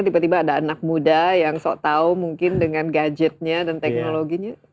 tiba tiba ada anak muda yang sok tahu mungkin dengan gadgetnya dan teknologinya